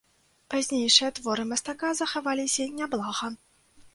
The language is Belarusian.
Пазнейшыя творы мастака захаваліся няблага.